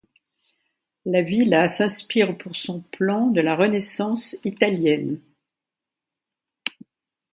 La villa s'inspire pour son plan de la Renaissance italienne.